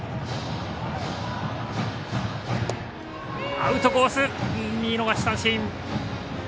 アウトコース、見逃し三振。